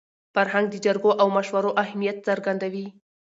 فرهنګ د جرګو او مشورو اهمیت څرګندوي.